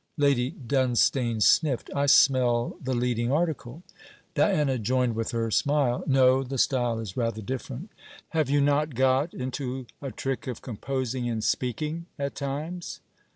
Lady Dunstane sniffed. 'I smell the leading article.' Diana joined with her smile, 'No, the style is rather different.' 'Have you not got into a trick of composing in speaking, at times?'